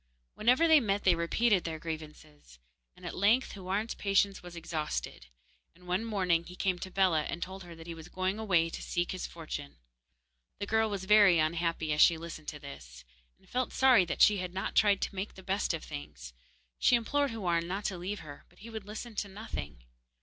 Whenever they met they repeated their grievances, and at length Houarn's patience was exhausted, and one morning he came to Bellah and told her that he was going away to seek his fortune. The girl was very unhappy as she listened to this, and felt sorry that she had not tried to make the best of things. She implored Houarn not to leave her, but he would listen to nothing.